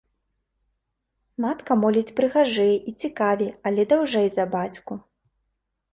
Матка моліць прыгажэй і цікавей, але даўжэй за бацьку.